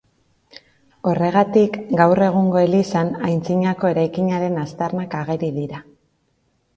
Horregatik, gaur egungo elizan antzinako eraikinaren aztarnak ageri dira.